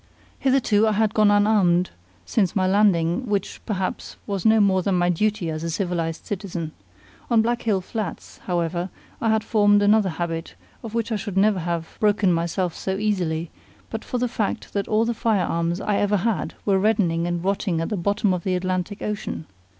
Hitherto I had gone unarmed since my landing, which, perhaps, was no more than my duty as a civilized citizen. On Black Hill Flats, however, I had formed another habit, of which I should never have broken myself so easily, but for the fact that all the firearms I ever had were reddening and rotting at the bottom of the Atlantic Ocean.